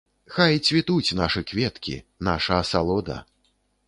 Хай цвітуць нашы кветкі, наша асалода!